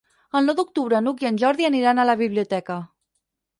El nou d'octubre n'Hug i en Jordi aniran a la biblioteca.